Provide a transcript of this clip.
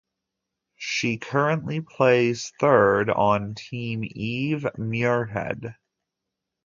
She currently plays third on Team Eve Muirhead.